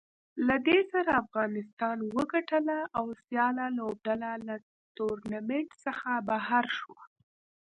له دې سره افغانستان وګټله او سیاله لوبډله له ټورنمنټ څخه بهر شوه